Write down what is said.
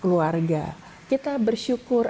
keluarga kita bersyukur